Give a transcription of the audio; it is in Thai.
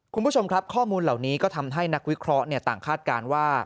คุณผู้ชมครับข้อมูลเหล่านี้ก็ทำให้นักวิเคราะห์ต่างคาดการณ์ว่า